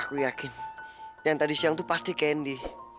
aku yakin yang tadi siang tuh pasti candy